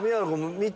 見て！